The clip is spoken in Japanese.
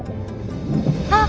あっ！